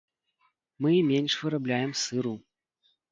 Мы менш вырабляем сыру.